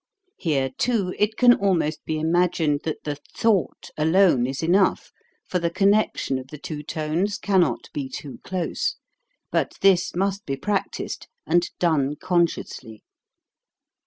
Here, too, it can almost be imagined that the thought alone is enough, for the connection of the two tones cannot be too close. But this must be practised, and done consciously.